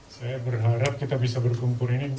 saya berharap kita bisa berkumpul ini